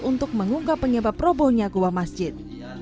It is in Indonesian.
untuk mengungkap penyebab robohnya goa masjid